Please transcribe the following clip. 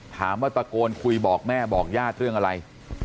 ตะโกนคุยบอกแม่บอกญาติเรื่องอะไร